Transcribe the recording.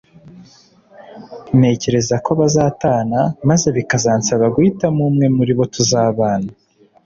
ntekereza ko bazatana maze bikazansaba guhitamo umwe muri bo tuzabana